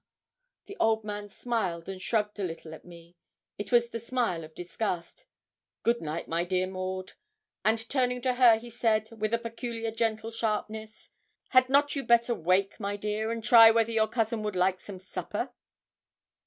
The old man smiled and shrugged a little at me it was the smile of disgust. 'Good night, my dear Maud;' and turning to her, he said, with a peculiar gentle sharpness, 'Had not you better wake, my dear, and try whether your cousin would like some supper?'